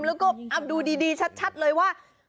แล้วก็ดูดีชัดเลยว่า